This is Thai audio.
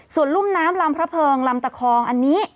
ส่วนรุ่มน้ำลำพระเพิงลำตะคองอันนี้